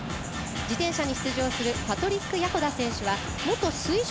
自転車に出場するパトリック・ヤホダ選手は元水上